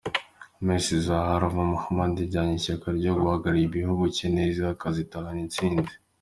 Miss Zahara Muhammad yajyanye ishyaka ryo guhagararira igihugu cye neza akazatahana intsinzi.